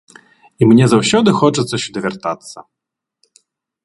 І мне заўсёды хочацца сюды вяртацца.